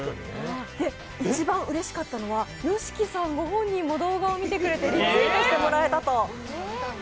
一番、うれしかったのはＹＯＳＨＩＫＩさんご本人も動画を見てくれてリツイートしてもらえたと。